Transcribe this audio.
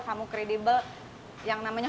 kamu kredibel yang namanya